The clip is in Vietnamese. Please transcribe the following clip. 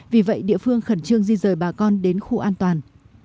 vì vậy địa phương khẩn trương di rời bà con đến khu an toàn